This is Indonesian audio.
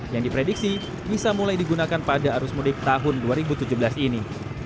yang diprediksi bisa mulai digunakan pada arus mudik tahun dua ribu tujuh belas ini